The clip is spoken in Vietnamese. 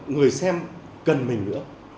người xem cần mình nữa